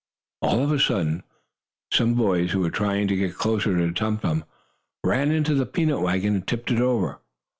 All of a sudden some boys, who were trying to get closer to Tum Tum, ran into the peanut wagon, and tipped it over.